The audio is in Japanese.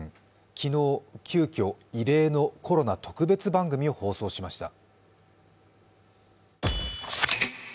昨日、急きょ異例のコロナ特別番組を放送しました。